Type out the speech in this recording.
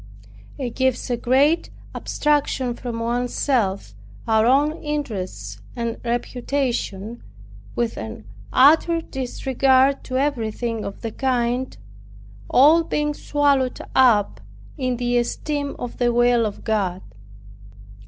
It gives a great abstraction from one's self, our own interests and reputation, with an utter disregard to everything of the kind all being swallowed up in the esteem of the will of God.